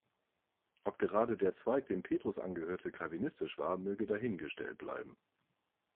Ob gerade der Zweig, dem Petrus angehörte, calvinistisch war, möge dahingestellt bleiben.